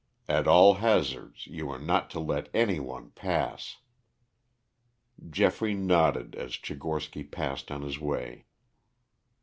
At all hazards you are not to let any one pass." Geoffrey nodded as Tchigorsky passed on his way.